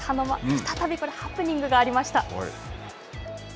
再び、これハプニングがありました。